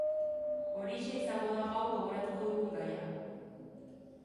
Horixe izango da gaur gogoratuko dugun gaia.